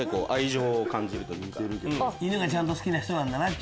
犬がちゃんと好きな人だなって。